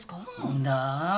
んだ。